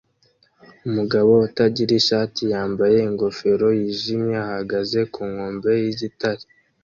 Umugabo utagira ishati yambaye ingofero yijimye ahagaze ku nkombe yigitare